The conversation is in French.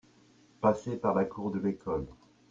passer par la cour de l'école.